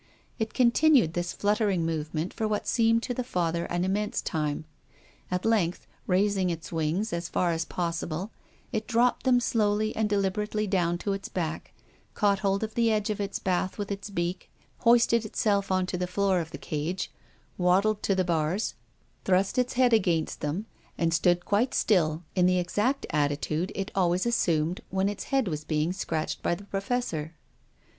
It continued this fluttering movement for what seemed to the Father an im mense time. At length, raising its wings as far as possible, it dropped them slowly and deliber ately down to its back, caught hold of the edge of its bath with its beak, hoisted itself on to the floor of the cage, waddled to the bars, thrust its 314 TONGUES OF CONSCIENCE. floor of the cage, waddled to the bars, thrust its head against them, and stood quite still in the exact attitude it always assumed when its head was being scratched by the Professor.